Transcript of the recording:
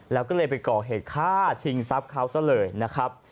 แล้วก็เลยไปก่อเหตุฆ่าชิงทรัพย์เขาซะเลยนะครับ